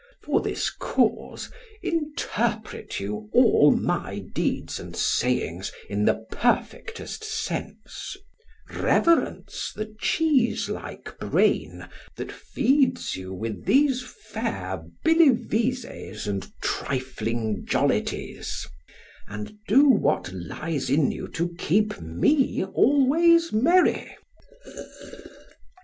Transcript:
For this cause interpret you all my deeds and sayings in the perfectest sense; reverence the cheese like brain that feeds you with these fair billevezees and trifling jollities, and do what lies in you to keep me always merry.